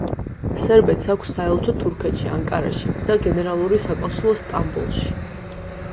სერბეთს აქვს საელჩო თურქეთში, ანკარაში და გენერალური საკონსულო სტამბოლში.